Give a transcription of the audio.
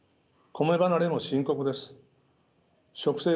米離れも深刻です。